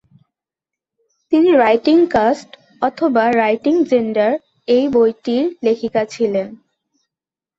তিনি "writing caste/ writing gender" এই বইটির লেখিকা ছিলেন।